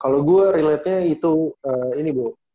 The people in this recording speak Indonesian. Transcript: kalau gue relate nya itu ini bu